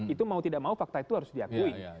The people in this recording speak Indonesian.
itu mau tidak mau fakta itu harus diakui